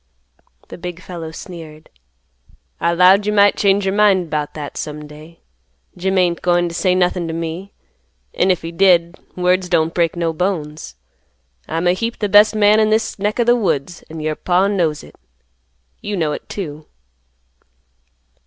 The big fellow sneered. "I 'lowed you might change your mind 'bout that some day. Jim ain't goin' t' say nothin' t' me, an' if he did, words don't break no bones. I'm a heap th' best man in this neck o' th' woods, an' your Paw knows hit. You know it, too."